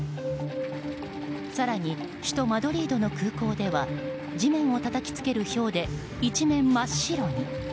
更に首都マドリードの空港では地面をたたきつけるひょうで一面真っ白に。